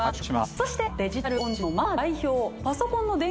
そしてデジタルオンチのママ代表。